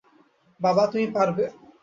বাবা, তুমি পারবে।